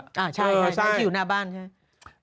อ่าใช่อยู่อยู่ข้างหน้าบ้านใช่